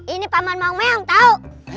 ini paman mau meong tau